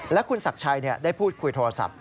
และคุณศักดิ์ชัยได้พูดคุยโทรศัพท์